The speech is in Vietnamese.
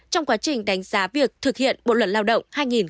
trong quá trình đánh giá việc thực hiện bộ luật lao động hai nghìn một mươi năm